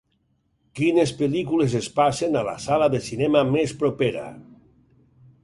Quines pel·lícules es passen a la sala de cinema més propera